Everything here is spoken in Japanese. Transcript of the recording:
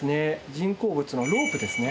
人工物のロープですね。